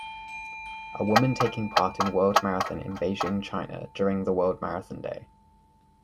A woman taking part in world marathon in beijing, china during the world marathon day